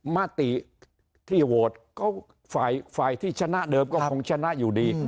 มติที่โหวตก็ฝ่ายที่ชนะเดิมก็คงชนะอยู่ดี